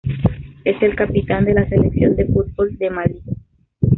Es el capitán de la selección de fútbol de Malí.